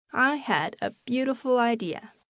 I had a beautiful idea.